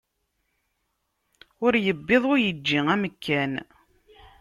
Ur yewwiḍ ur yeǧǧi amekkan.